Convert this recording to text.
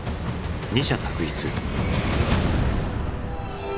二者択一。